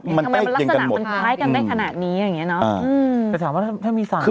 รสนามันท้ายกันได้ขนาดนี้แต่ถามว่าถ้ามีทราย